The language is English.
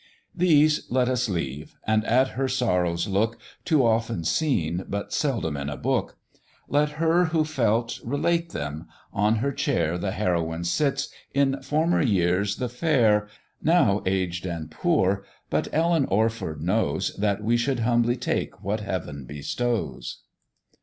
These let us leave, and at her sorrows look, Too often seen, but seldom in a book; Let her who felt, relate them; on her chair The heroine sits in former years, the fair, Now aged and poor; but Ellen Orford knows That we should humbly take what Heaven bestows.